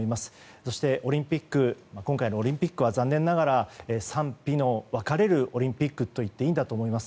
そして、今回のオリンピックは残念ながら賛否の分かれるオリンピックといっていいんだと思います。